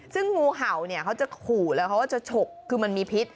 ซึ่งงูเห่าเขาจะขู่แล้วเขาจะโฉกก็คือมันมีพิษ